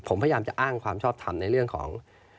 ผมพยายามจะอ้างความชอบทำในเรื่องของ